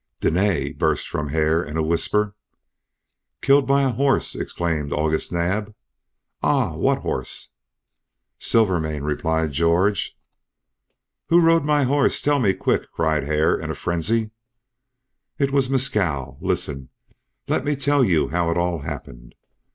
"Dene!" burst from Hare, in a whisper. "Killed by a horse!" exclaimed August Naab. "Ah! What horse?" "Silvermane!" replied George. "Who rode my horse tell me quick!" cried Hare, in a frenzy. "It was Mescal. Listen. Let me tell you how it all happened.